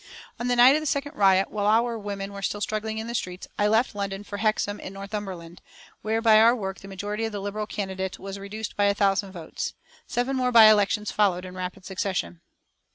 On the night of the second "riot," while our women were still struggling in the streets, I left London for Hexham in Northumberland, where by our work the majority of the Liberal candidate was reduced by a thousand votes. Seven more by elections followed in rapid succession.